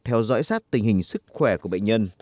theo dõi sát tình hình sức khỏe của bệnh nhân